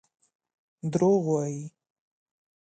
دروغ وايي.